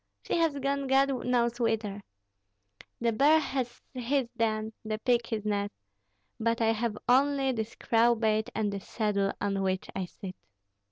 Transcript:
She has gone God knows whither. The bear has his den, the pig his nest, but I have only this crowbait and this saddle on which I sit."